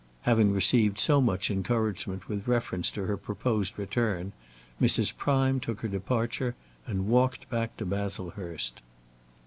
Having received so much encouragement with reference to her proposed return, Mrs. Prime took her departure and walked back to Baslehurst.